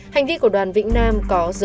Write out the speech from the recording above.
hành vi của đoàn vĩnh nam có dấu dấu